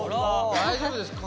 大丈夫ですか。